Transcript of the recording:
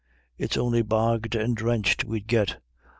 It's on'y bogged and drenched we'd git.